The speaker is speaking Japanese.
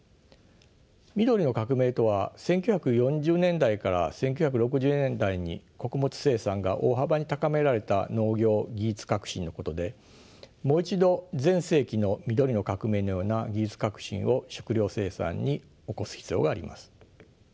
緑の革命とは１９４０年代から１９６０年代に穀物生産が大幅に高められた農業技術革新のことでもう一度前世紀の緑の革命のような技術革新を食糧生産に起こす必要があります。